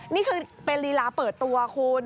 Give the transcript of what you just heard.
นี่คือเป็นลีลาเปิดตัวคุณ